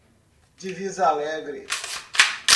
Divisa Alegre